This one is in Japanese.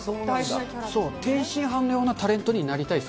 天津飯のようなタレントになりたいです。